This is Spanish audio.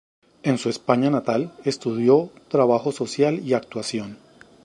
En su España natal estudió trabajo social y actuación.